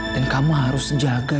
dan kamu harus jaga